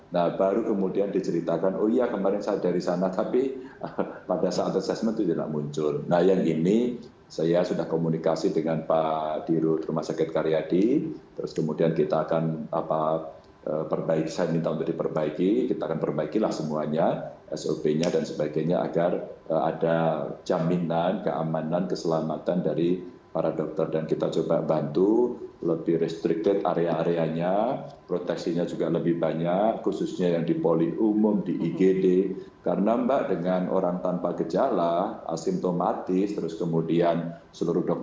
nah baru kemudian diceritakan oh iya kemarin saya dari sana tapi pada saat asesmen itu tidak muncul